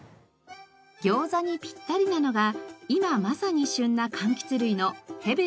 餃子にピッタリなのが今まさに旬な柑橘類のへべす。